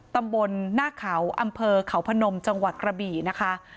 ตำบลหน้าเขาอำเภอเขาพนมจังหวัดกระบี่นะคะ